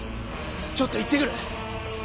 ちょっと行ってくる。